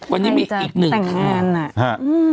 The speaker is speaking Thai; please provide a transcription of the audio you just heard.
วันนี้มีอีกหนึ่งค่ะ